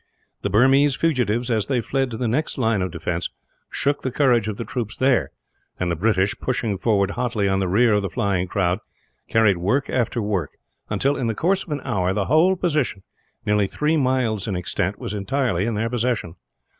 The Burmese fugitives, as they fled to the next line of defence, shook the courage of the troops there; and the British, pushing forward hotly on the rear of the flying crowd, carried work after work until, in the course of an hour, the whole position, nearly three miles in extent, was entirely in their possession.